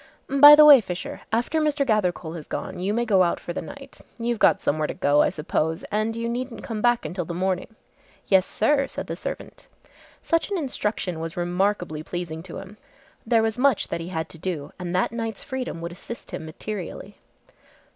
"By the way, Fisher, after Mr. Gathercole has gone, you may go out for the night. You've got somewhere to go, I suppose, and you needn't come back until the morning." "Yes, sir," said the servant. Such an instruction was remarkably pleasing to him. There was much that he had to do and that night's freedom would assist him materially.